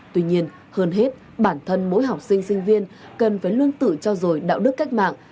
tuy nhiên hơn hết bản thân mỗi học sinh sinh viên cần phải lương tự cho rồi đạo đức cách mạng